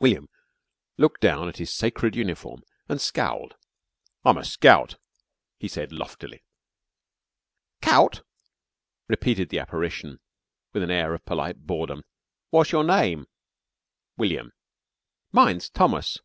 William looked down at his sacred uniform and scowled. "I'm a scout," he said loftily. "'Cout?" repeated the apparition, with an air of polite boredom. "Wot's your name?" "William." "Mine's Thomas.